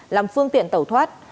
làm phương tiện tẩu thoát